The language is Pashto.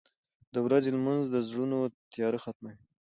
• د ورځې لمونځ د زړونو تیاره ختموي.